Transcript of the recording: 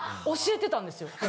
教えてたんですよ。